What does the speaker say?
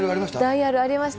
ダイヤルありました。